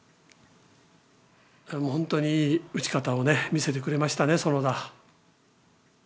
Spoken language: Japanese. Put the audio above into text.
もう本当にいい打ち方をね見せてくれましたね園田。